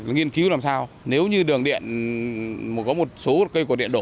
nghiên cứu làm sao nếu như đường điện có một số cây của điện đổ